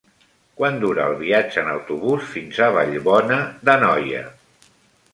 Quant dura el viatge en autobús fins a Vallbona d'Anoia?